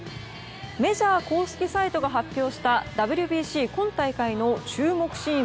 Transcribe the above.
メジャー公式サイトが発表したＷＢＣ今大会の注目シーン